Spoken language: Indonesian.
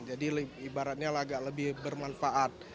jadi ibaratnya agak lebih bermanfaat